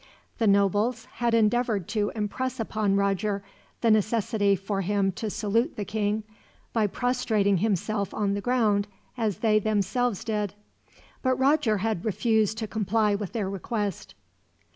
The nobles had endeavored to impress upon Roger the necessity for him to salute the king, by prostrating himself on the ground as they themselves did. But Roger had refused to comply with their request.